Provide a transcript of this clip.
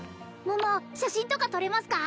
桃写真とか撮れますか？